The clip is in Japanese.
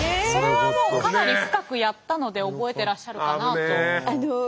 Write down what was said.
それはもうかなり深くやったので覚えてらっしゃるかなと。